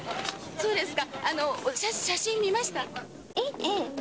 そうですか。